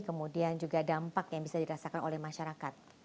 kemudian juga dampak yang bisa dirasakan oleh masyarakat